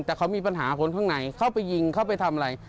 แต่เขามีปัญหาคนข้างในเข้าไปยิงเข้าไปทำอะไร